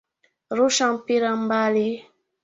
Rusha mpira mbali.